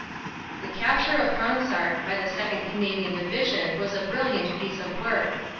The capture of Fransart by the 2nd. Canadian Division was a brilliant piece of work.